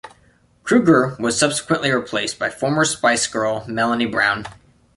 Kruger was subsequently replaced by former Spice Girl Melanie Brown.